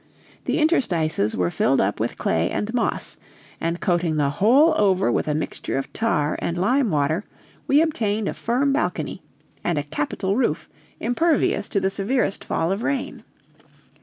The interstices were filled up with clay and moss; and coating the whole over with a mixture of tar and lime water, we obtained a firm balcony, and a capital roof impervious to the severest fall of rain.